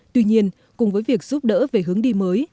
tuy nhiên cùng với việc giúp đỡ về hướng đi mới